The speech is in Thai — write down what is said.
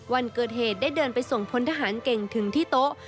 วันเกิดเหตุได้เดินไปส่งพลทหารเก่งถึงที่โต๊ะ